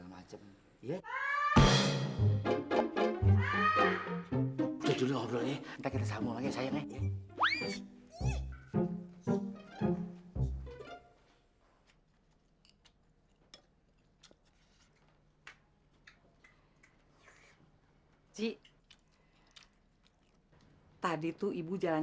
ngobrol pakai surat